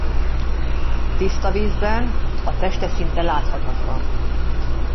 Tiszta vízben a teste szinte láthatatlan.